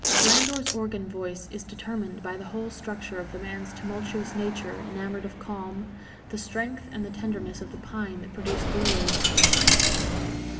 Landor's organ voice is determined by the whole structure of the man's tumultuous nature enamoured of calm, the strength and the tenderness of the pine that produced lilies.